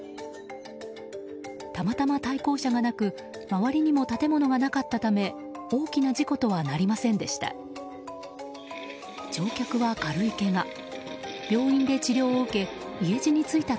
たまたま対向車がなく周りにも建物がなかったため大きな事故とはなりませんでした。